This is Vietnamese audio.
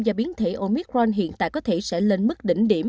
do biến thể omicron hiện tại có thể sẽ lên mức đỉnh điểm